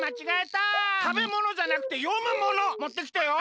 たべものじゃなくてよむものもってきてよ。